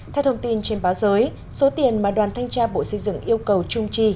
theo thông tin trên báo giới số tiền mà đoàn thanh tra bộ xây dựng yêu cầu chung chi